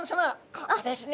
ここですね。